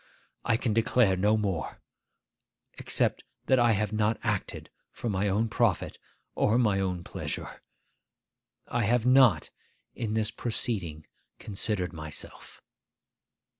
I can declare no more; except that I have not acted for my own profit or my own pleasure. I have not in this proceeding considered myself.